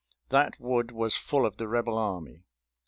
That wood was full of the Rebel army.